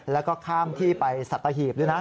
แล้วก็ข้ามที่ไปสัตหีบด้วยนะ